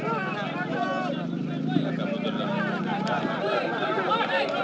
apakah sangat jauh dogsit nereka